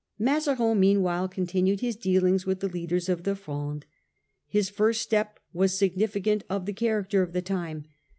Mazarin meanwhile continued his dealings with the leaders of the Fronde. His first step was significant of Negotia t ^ ie character of the time.